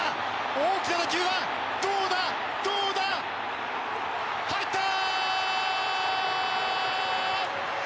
大きな打球は、どうだ、どうだ入った！